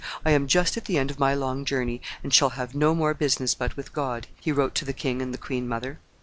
"I am just at the end of my long journey, and shall have no more business but with God," he wrote to the king and the queen mother.